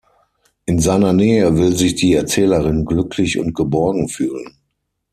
In seiner Nähe will sich die Erzählerin glücklich und geborgen fühlen.